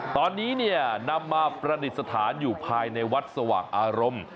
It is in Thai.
ตอนนี้เนี่ยนำมาประดิษฐานอยู่ภายในวัดสว่างอารมณ์